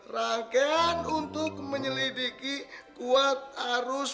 rangkaian untuk menyelidiki kuat arus